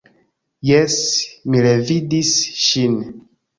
Jes, mi revidis ŝin.